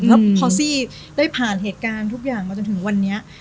แล้วพอซี่ได้ผ่านเหตุการณ์ทุกอย่างมาจนถึงวันนี้